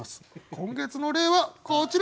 今月の例はこちら！